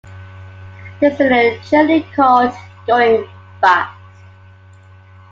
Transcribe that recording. This is generally called 'going bust.